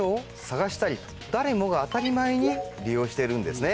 誰もが当たり前に利用してるんですね。